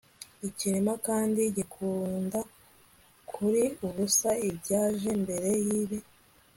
ikirema kandi gikunda kuri ubusa. ibyaje mbere yibi